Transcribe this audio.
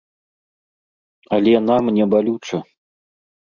Але нам не балюча.